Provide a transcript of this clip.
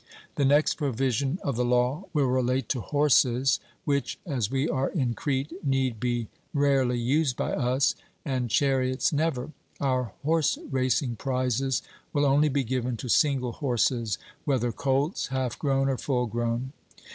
The next provision of the law will relate to horses, which, as we are in Crete, need be rarely used by us, and chariots never; our horse racing prizes will only be given to single horses, whether colts, half grown, or full grown.